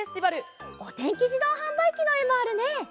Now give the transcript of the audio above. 「おてんきじどうはんばいき」のえもあるね。